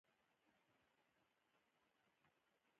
چې مهیندراپراتاپ او برکت الله یې مشري کوله.